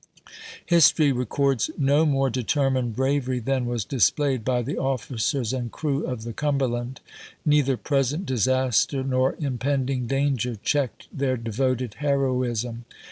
History records no more determined bravery than was displayed by the officers and crew of the Cum herland. Neither present disaster nor impending danger checked their devoted heroism.